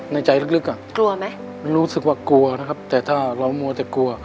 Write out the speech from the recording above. ในใจลึกอ่ะกลัวไหมรู้สึกว่ากลัวนะครับแต่ถ้าเรามัวแต่กลัว